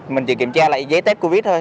mình chỉ kiểm tra lại giấy test covid thôi